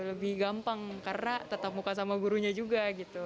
lebih gampang karena tetap muka sama gurunya juga gitu